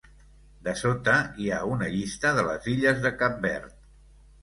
Dessota hi ha una llista de les illes de Cap Verd.